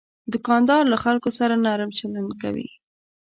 دوکاندار له خلکو سره نرم چلند کوي.